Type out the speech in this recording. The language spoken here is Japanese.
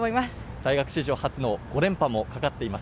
大学史上初の５連覇もかかっています。